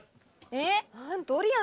えっ。